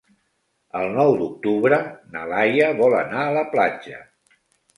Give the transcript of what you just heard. El nou d'octubre na Laia vol anar a la platja.